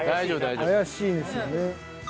怪しいんですよね。